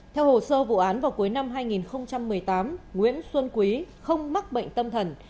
theo hồ sơ vụ án vào cuối năm hai nghìn một mươi tám nguyễn xuân quý không mắc bệnh tâm thần